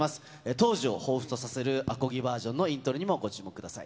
当時をほうふつとさせるアコギバージョンのイントロにもご注目ください。